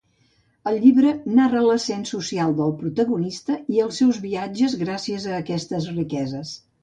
El llibre narra l'ascens social del protagonista i els seus viatges gràcies a aquestes riqueses.